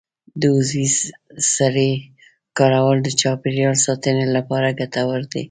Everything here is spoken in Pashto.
د عضوي سرې کارول د چاپیریال ساتنې لپاره ګټور دي.